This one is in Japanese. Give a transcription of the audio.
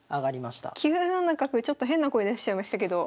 ちょっと変な声出しちゃいましたけど